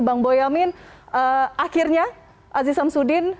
bang boyamin akhirnya aziz samsudin